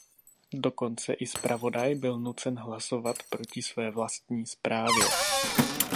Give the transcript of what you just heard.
Dokonce i zpravodaj byl nucen hlasovat proti své vlastní zprávě.